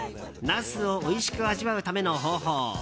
ナスをおいしく味わうための方法